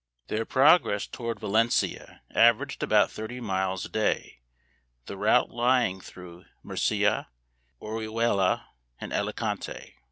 Their progress toward Valencia averaged about thirty miles a day, the route lying through Murcia, Orchuela, and Alicante.